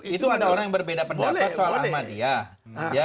itu ada orang yang berbeda pendapat soal ahmadiyah